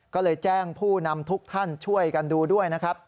ก็เลยแจ้งผู้นำทุกท่านช่วยกันดูด้วยนะครับ